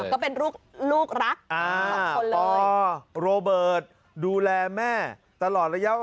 ก็เป็นลูกลูกรักอ่าพอโรเบิร์ตดูแลแม่ตลอดระยะว่า